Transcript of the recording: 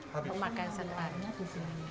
memakan satu hari